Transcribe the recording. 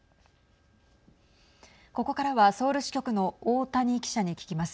ここからはソウル支局の大谷記者に聞きます。